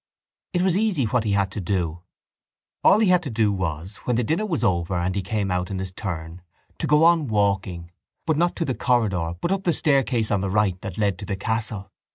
It was easy what he had to do. All he had to do was when the dinner was over and he came out in his turn to go on walking but not out to the corridor but up the staircase on the right that led to the castle.